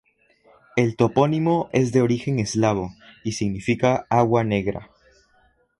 El topónimo es de origen eslavo y significa "agua negra".